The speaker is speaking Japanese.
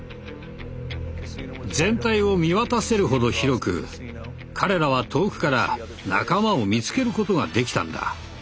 全体を見渡せるほど広く彼らは遠くから仲間を見つけることができたんだ。